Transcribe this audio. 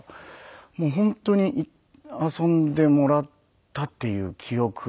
もう本当に遊んでもらったっていう記憶なんですよね。